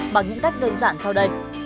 bằng những cách đơn giản sau đây